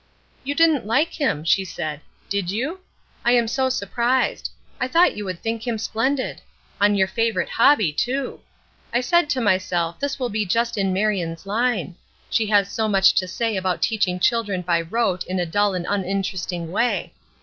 "You didn't like him," she said, "did you? I am so surprised; I thought you would think him splendid. On your favorite hobby, too. I said to myself this will be just in Marion's line. She has so much to say about teaching children by rote in a dull and uninteresting way.